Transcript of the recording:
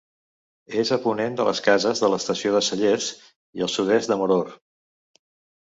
És a ponent de les Cases de l'Estació de Cellers i al sud-est de Moror.